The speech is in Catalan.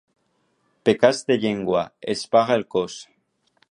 Pecats de llengua, els paga el cos.